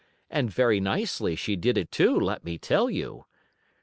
And very nicely she did it too, let me tell you.